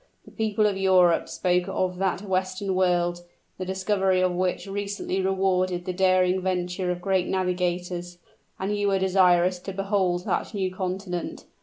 The people of Europe spoke of that western world, the discovery of which recently rewarded the daring venture of great navigators; and you were desirous to behold that new continent.